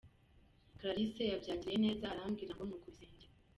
Clarisse yabyakiriye neza, arambwira ngo ni ukubisengera.